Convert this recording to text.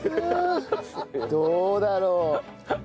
どうだろう？